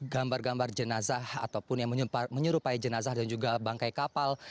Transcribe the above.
gambar gambar jenazah ataupun yang menyerupai jenazah dan juga bangkai kapal